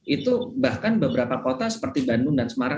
itu bahkan beberapa kota seperti bandung dan semarang